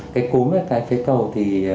cái cúm cái phế cầu thì